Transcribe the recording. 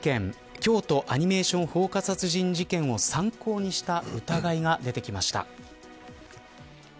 京都アニメーション放火殺人事件を参考にした疑いが出てきました。